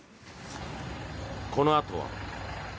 このあとは。